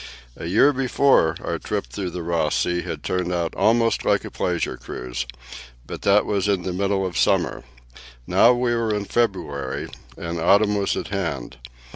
A year before our trip through Ross Sea had turned out almost like a pleasure cruise, but that was in the middle of summer. Now we were in February, and autumn was at hand.